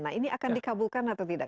nah ini akan dikabulkan atau tidak